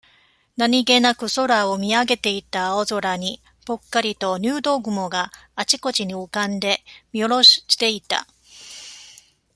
何気なく空を見上げていた青空に、ポッカリと、入道雲が、あちこちに浮かんで、見おろしていた。